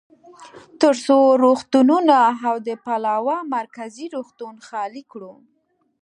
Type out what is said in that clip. ترڅو روغتونونه او د پلاوا مرکزي روغتون خالي کړو.